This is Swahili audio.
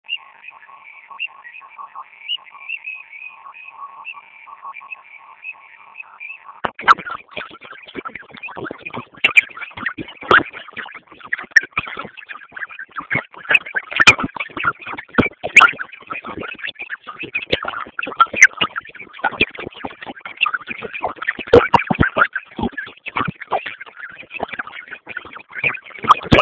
ichana wa taifa wa tanzania